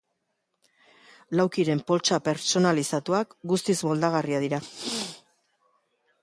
Laukyren poltsa pertsonalizatuak guztiz moldagarriak dira.